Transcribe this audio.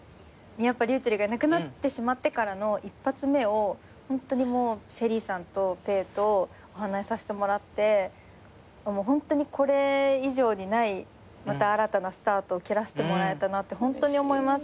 ｒｙｕｃｈｅｌｌがいなくなってしまってからの一発目をＳＨＥＬＬＹさんとぺえとお話しさせてもらってホントにこれ以上にないまた新たなスタートを切らせてもらえたなって思います。